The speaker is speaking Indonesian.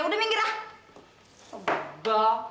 udah minggir ah